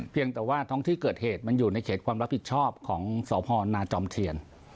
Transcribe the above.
เพียงแต่ว่าท้องที่เกิดเหตุมันอยู่ในเขตความรับผิดชอบของสพนาจอมเทียน